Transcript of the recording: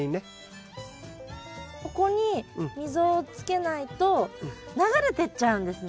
ここに溝をつけないと流れてっちゃうんですね？